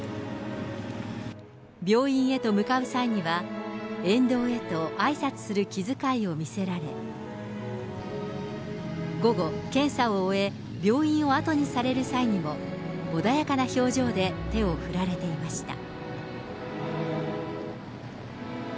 病院へと向かう際には、沿道へとあいさつする気遣いを見せられ、午後、検査を終え、病院を後にされる際にも、穏やかな表情で手を振られていました。